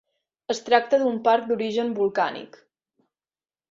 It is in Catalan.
Es tracta d'un parc d'origen volcànic.